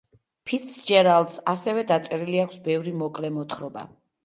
ფიცჯერალდს ასევე დაწერილი აქვს ბევრი მოკლე მოთხრობა.